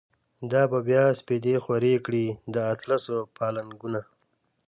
دا به بیا سپیدی خوری کړی، داطلسو پالنګونو